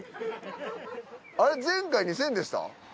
あれ前回２，０００円でした？